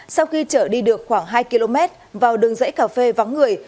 sau khi chở đi được khoảng hai km vào đường dãy cà phê vắng người